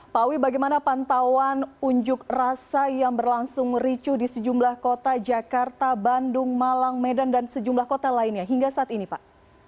pak awi bagaimana pantauan unjuk rasa yang berlangsung ricuh di sejumlah kota jakarta bandung malang medan dan sejumlah kota lainnya hingga saat ini pak